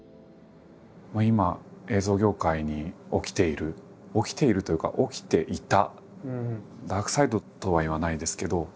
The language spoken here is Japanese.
今映像業界に起きている起きているというか起きていたダークサイドとは言わないですけど。